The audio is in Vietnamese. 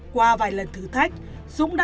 qua vài lần thử thách dũng đã tìm ra một chỗ khác